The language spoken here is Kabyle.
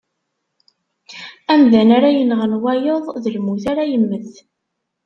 Amdan ara yenɣen wayeḍ, d lmut ara yemmet.